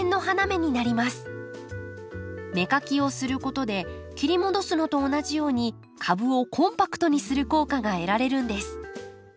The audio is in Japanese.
芽かきをすることで切り戻すのと同じように株をコンパクトにする効果が得られるんです。